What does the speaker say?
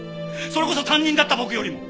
それこそ担任だった僕よりも。